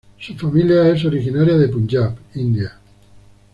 Su familia es originaria de Punjab, India.